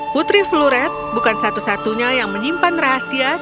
putri fluret bukan satu satunya yang menyimpan rahasia